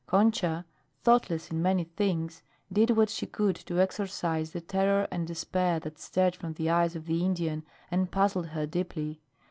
Concha, thoughtless in many things, did what she could to exorcise the terror and despair that stared from the eyes of the Indian and puzzled her deeply.